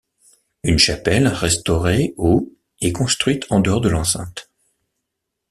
Une chapelle, restaurée au est construite en dehors de l'enceinte.